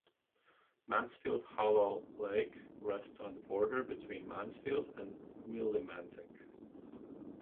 Mansfield Hollow Lake rests on the border between Mansfield and Willimantic.